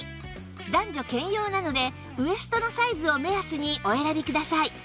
男女兼用なのでウエストのサイズを目安にお選びください